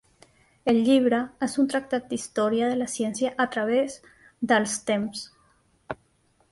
El llibre és un tractat d'Història de la ciència a través dels temps.